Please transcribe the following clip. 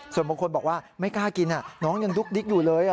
ส่วนบางคนบอกว่าไม่กล้ากินน้องยังดุ๊กดิ๊กอยู่เลย